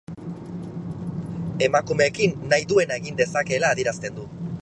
Emakumeekin nahi duena egin dezakeela adierazten du.